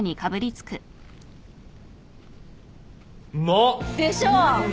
うまっ！でしょう？